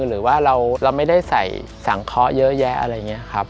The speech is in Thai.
หรือว่าเราไม่ได้ใส่สังเคาะเยอะแยะอะไรอย่างนี้ครับ